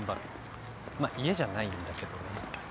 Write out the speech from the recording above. まっ家じゃないんだけどね。